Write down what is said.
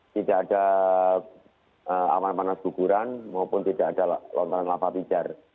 tidak ada awan panas guguran maupun tidak ada lontaran lava pijar